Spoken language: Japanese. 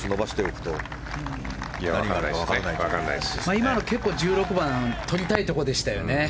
今の１６番は取りたいところでしたね。